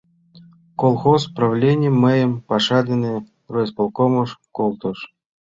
Колхоз правлений мыйым паша дене райисполкомыш колтыш.